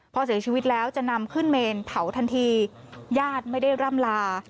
พอเสียชีวิตแล้วจะนำขึ้นเมนเผาทันทีญาติไม่ได้ร่ำลา